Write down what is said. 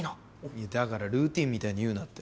いやだからルーティーンみたいに言うなって。